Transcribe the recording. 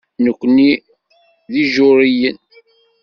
Nekkni d Ijuṛiyen.